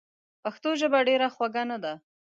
پښتو ژبه ډېره خوږه نده؟!